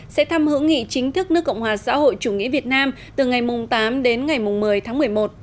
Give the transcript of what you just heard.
sẽ thăm hữu nghị chính thức nước cộng hòa xã hội chủ nghĩa việt nam từ ngày tám đến ngày một mươi tháng một mươi một